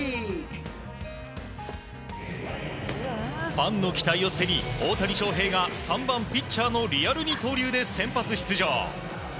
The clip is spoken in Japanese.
ファンの期待を背に大谷翔平が３番ピッチャーのリアル二刀流で先発出場。